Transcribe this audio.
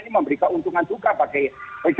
memberi keuntungan juga bagi